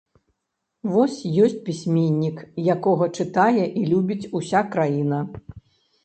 Вось ёсць пісьменнік, якога чытае і любіць уся краіна.